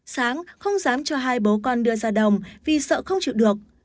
sáng không dám cho hai bố con đưa ra đồng vì sợ không chịu được